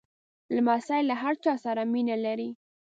لمسی له هر چا سره مینه لري.